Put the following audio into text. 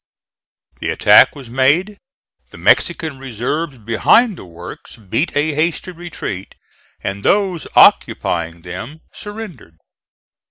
The attack was made, the Mexican reserves behind the works beat a hasty retreat, and those occupying them surrendered.